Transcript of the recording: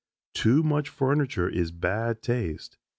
Too much furniture is bad taste.